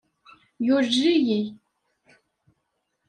Yulel-iyi.